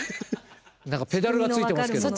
何かペダルがついてますけど。